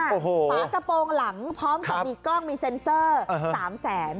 โอ้โหฝากระโปรงหลังพร้อมกับมีกล้องมีเซ็นเซอร์๓แสน